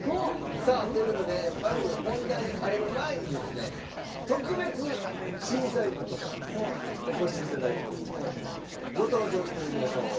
さあという事でまず本題に入る前にですね特別審査員の方お越し頂いてますのでご登場頂きましょう。